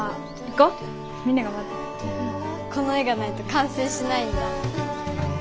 この絵がないと完成しないんだ。